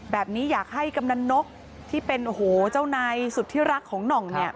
แบบนี้อยากให้กำหนดนกที่เป็นเจ้านายสุทธิรักของหนอง